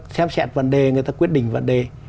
xem xét vấn đề người ta quyết định vấn đề